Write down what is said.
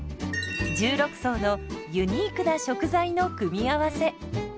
１６層のユニークな食材の組み合わせ。